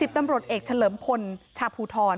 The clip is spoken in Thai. ตำรวจเอกเฉลิมพลชาภูทร